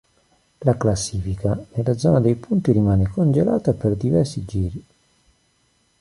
La classifica nella zona dei punti rimane congelata per diversi giri.